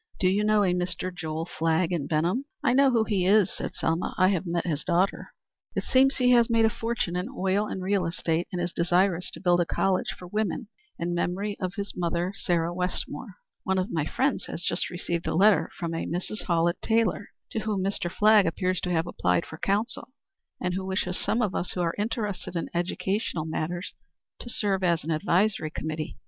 "Do you know a Mr. Joel Flagg in Benham?" "I know who he is," said Selma. "I have met his daughter." "It seems he has made a fortune in oil and real estate, and is desirous to build a college for women in memory of his mother, Sarah Wetmore. One of my friends has just received a letter from a Mrs. Hallett Taylor, to whom Mr. Flagg appears to have applied for counsel, and who wishes some of us who are interested in educational matters to serve as an advisory committee.